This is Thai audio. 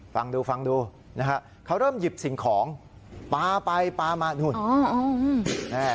ฟังดูฟังดูนะฮะเขาเริ่มหยิบสิ่งของปลาไปปลามานู่น